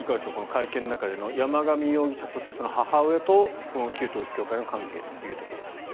会見の中での山上容疑者そしてその母親とこの旧統一教会の関係というところですが。